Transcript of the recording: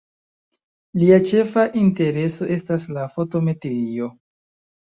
Lia ĉefa intereso estas la fotometrio.